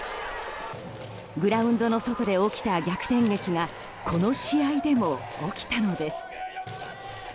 グラウンドの外で起きた逆転劇がこの試合でも起きたのです。